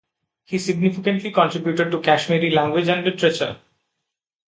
He significantly contributed to Kashmiri language and literature.